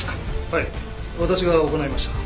はい私が行いました。